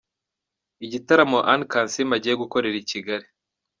Igitaramo Anne Kansiime agiye gukorera i Kigali.